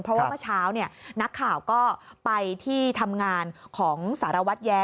เพราะว่าเมื่อเช้านักข่าวก็ไปที่ทำงานของสารวัตรแย้